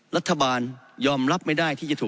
รัฐบาลยอมรับไม่ได้ที่จะถูก